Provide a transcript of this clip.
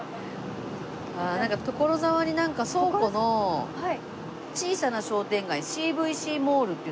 ああなんか所沢になんか倉庫の小さな商店街Ｃ．Ｖ．Ｃモールっていうのがあるよ。